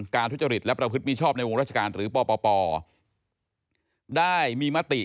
กาธุจฤตและประพฤทธิ์มิชอบในวงราชการหรือปปด้ายมีมติ